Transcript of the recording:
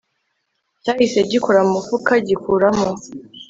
cyahise gikora mumufuka gikuramo